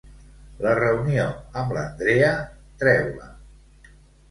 La reunió amb l'Andrea treu-la.